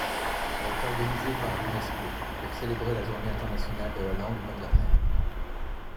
Elle est organisée par l’UNESCO pour célébrer la journée internationale de la langue maternelle.